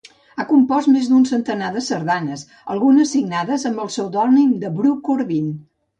Ha compost més d'un centenar de sardanes, algunes signades amb el pseudònim de Bru Corbin.